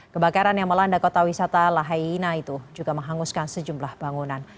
kebakaran yang melanda kota wisata lahaina itu juga menghanguskan sejumlah bangunan